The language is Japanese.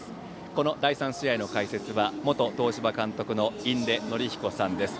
この第３試合の解説は元東芝監督の印出順彦さんです。